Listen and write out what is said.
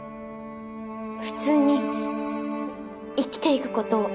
普通に生きていくことを。